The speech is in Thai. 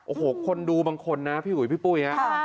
โอ้โหคนดูบางคนนะพี่อุ๋ยพี่ปุ้ยฮะ